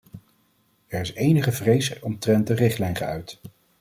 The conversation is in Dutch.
Er is enige vrees omtrent de richtlijn geuit.